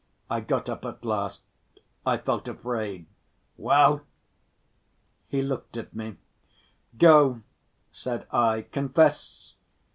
I got up at last, I felt afraid. "Well?" He looked at me. "Go!" said I, "confess.